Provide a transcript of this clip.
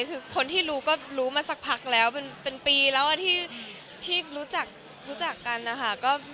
คือคนที่รู้ก็รู้มาสักพักแล้วเป็นปีแล้วที่รู้จักกันนะคะ